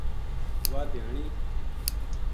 واہ دھیانی